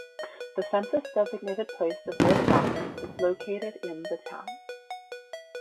The census-designated place of Rib Mountain is located in the town.